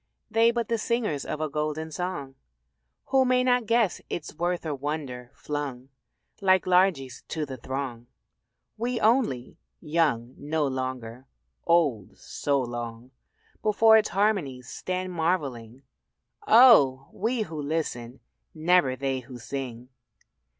They but the singers of a golden song Who may not guess its worth or wonder flung Like largesse to the throng. We only, young no longer, old so long Before its harmonies, stand marvelling Oh! we who listen never they who sing.